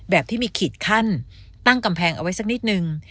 แบบที่มีขีดขั้นตั้งกำแพงเอาไว้สักนิดนึง